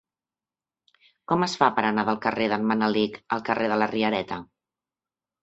Com es fa per anar del carrer d'en Manelic al carrer de la Riereta?